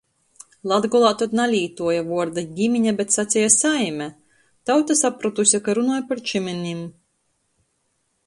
Latgolā tod nalītuoja vuorda "gimine", bet saceja "saime". Tauta saprotuse, ka runoj par čymynim.